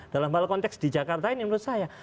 dalam hal konteks di jakarta ini menurut saya